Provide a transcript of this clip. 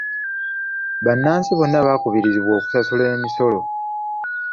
Bannansi bonna bakubirizibwa okusasula emisolo.